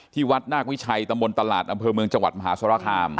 ที่วัดนาควิชัยตำบลตลาดอำเภอเมืองจังหวัดมหาสรคาม